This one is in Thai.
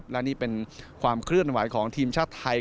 และนี่เป็นความเคลื่อนไหวของทีมชาติไทย